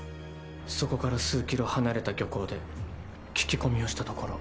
そこから数ｋｍ離れた漁港で聞き込みをしたところ。